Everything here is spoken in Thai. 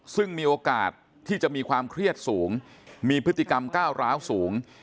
ซึ่งมีโอกาสที่จะมีความเครียดสูงมีพฤติกรรมก้าวร้าวสูง